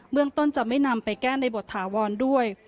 เมืองต้นจะไม่นำไปแก้ในบทถาวรด้วย